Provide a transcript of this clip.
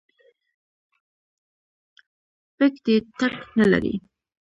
بیک دې ټک نه لري.